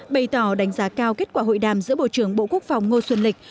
bày tỏ đánh giá cao kết quả hội đàm giữa bộ trưởng bộ quốc phòng ngô xuân lịch